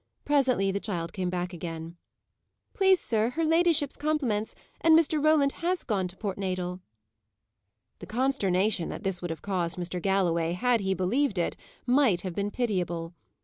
Presently the child came back again. "Please, sir, her ladyship's compliments, and Mr. Roland have gone to Port Natal." The consternation that this would have caused Mr. Galloway, had he believed it, might have been pitiable.